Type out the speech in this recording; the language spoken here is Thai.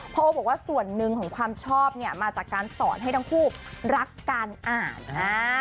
โอบอกว่าส่วนหนึ่งของความชอบเนี่ยมาจากการสอนให้ทั้งคู่รักการอ่านอ่า